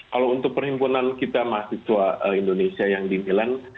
kalau untuk perhimpunan kita mahasiswa indonesia yang di milan